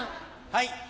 はい。